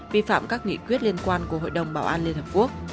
vi phạm các nghị quyết liên quan của hội đồng bảo an liên hợp quốc